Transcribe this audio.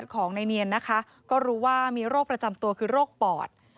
ของนายเนียนนะคะก็รู้ว่ามีโรคประจำตัวคือโรคปอด